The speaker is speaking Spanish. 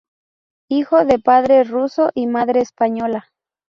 Hijo de padre ruso y madre española.